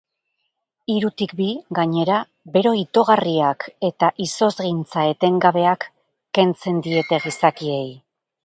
Hirutik bi, gainera, bero itogarriak eta izozgintza etengabeak kentzen diete gizakiei.